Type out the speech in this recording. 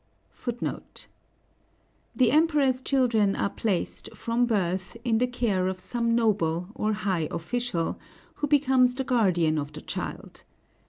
The Emperor's children are placed, from birth, in the care of some noble or high official, who becomes the guardian of the child.